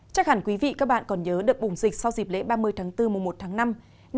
chắc hẳn quý vị còn nhớ đợt bùng dịch sau dịp lễ ba mươi tháng bốn mùa một tháng năm năm hai nghìn hai mươi